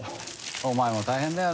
お前も大変だよな。